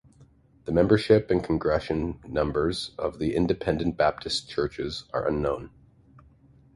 The membership and congregation numbers of the independent Baptist churches are unknown.